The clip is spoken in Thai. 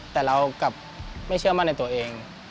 แต่เรากลับไม่เชื่อมั่นในตัวเอง